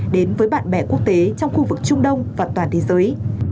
đến với bạn bè quốc tế trong khu vực trung đông và toàn thế giới